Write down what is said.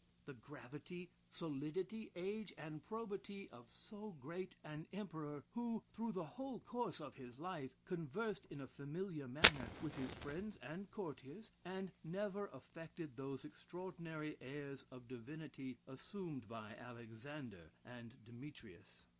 The gravity, solidity, age, and probity of so great an emperor, who through the whole course of his life, conversed in a familiar manner, with his friends and courtiers, and never affected those extraordinary airs of divinity assumed by Alexander and Demetrius.